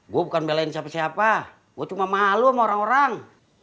gue bukan belain siapa siapa gue cuma malu sama orang orang